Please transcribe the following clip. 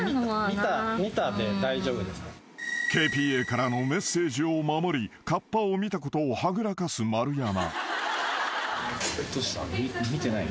［ＫＰＡからのメッセージを守りカッパを見たことをはぐらかす丸山］